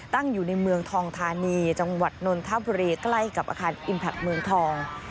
ตั้งอยู่ในเมืองทองทานีจังหวัดนนท์ธาปุเรใกล้กับอาคารอินพลักษณ์เมืองทอง